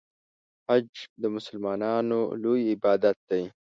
حج د مسلمانانو لوی عبادت دی.